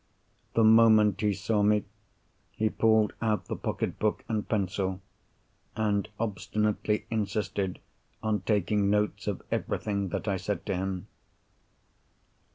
The moment he saw me, he pulled out the pocket book and pencil, and obstinately insisted on taking notes of everything that I said to him.